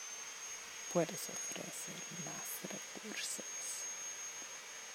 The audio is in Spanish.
Puedes ofrecer más recursos.